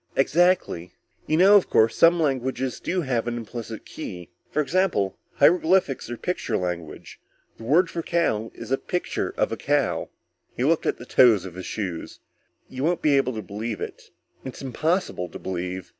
"Exactly. You know, of course, some languages do have an implicit key? For example hieroglyphics or picture language. The word for cow is a picture of a cow." _He looked at the toes of his shoes. "You won't be able to believe it. It's impossible to believe.